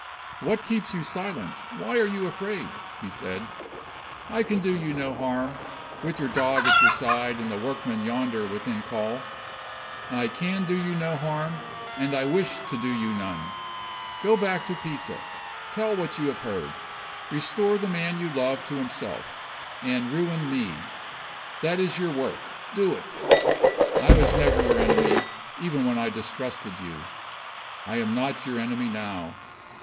"What keeps you silent? Why are you afraid?" he said. "I can do you no harm, with your dog at your side, and the workmen yonder within call. I can do you no harm, and I wish to do you none. Go back to Pisa; tell what you have heard, restore the man you love to himself, and ruin me. That is your work; do it! I was never your enemy, even when I distrusted you. I am not your enemy now.